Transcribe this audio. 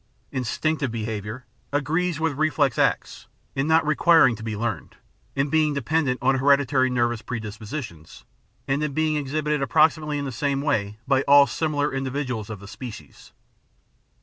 Instinctive behaviour agrees with reflex acts in not requiring to be learned, in being de pendent on hereditary nervous predispositions, and in being exhibited approximately in the same way by all similar in dividuals of the species.